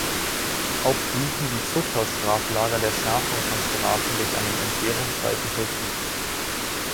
Auch dienten die Zuchthaus-Straflager der Schärfung von Strafen durch einen entbehrungsreichen Vollzug.